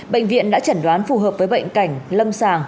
bệnh viện đã chẩn đoán phù hợp với bệnh cảnh lâm sàng